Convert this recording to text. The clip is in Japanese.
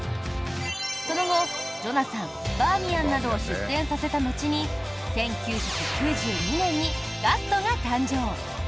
その後ジョナサン、バーミヤンなどを出店させた後に１９９２年にガストが誕生。